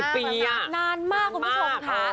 ปี๒๕๕๘นานมากคุณผู้ชมค่ะ